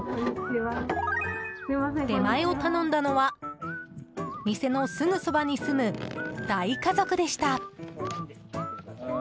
出前を頼んだのは店のすぐそばに住む大家族でした。